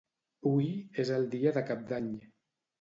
Hui és el dia de cap d'any.